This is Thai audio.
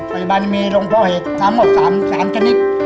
พยาบาลมีโรงเพราะเหตุ๓ของ๓ชนิด